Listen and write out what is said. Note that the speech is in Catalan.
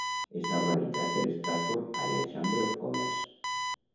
Està organitzat per Strafford Area Chamber of Commerce.